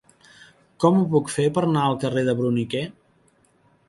Com ho puc fer per anar al carrer de Bruniquer?